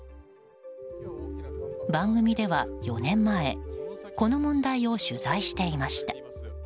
番組では４年前この問題を取材していました。